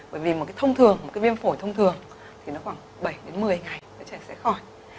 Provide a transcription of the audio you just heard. bởi vì một cái thông thường một cái viêm phổi thông thường thì nó khoảng bảy đến một mươi ngày các trẻ sẽ khỏi